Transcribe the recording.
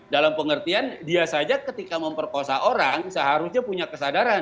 dalam pengertian dia saja ketika memperkosa orang seharusnya punya kesadaran